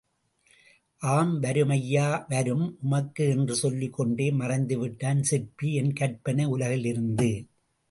ஆம், வரும் ஐயா வரும் உமக்கு என்று சொல்லிக் கொண்டே மறைந்துவிட்டான் சிற்பி, என் கற்பனை உலகிலிருந்து.